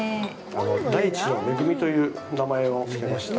「大地の恵み」という名前をつけました。